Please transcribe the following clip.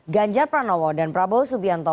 ganjar pranowo dan prabowo subianto